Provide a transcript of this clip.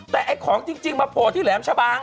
แต่ไอ้ของจริงมาโผล่ที่แหลมชะบัง